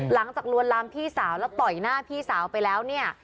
ลวนลามพี่สาวแล้วต่อยหน้าพี่สาวไปแล้วเนี่ย